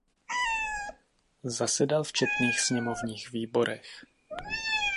Zasedal v četných sněmovních výborech.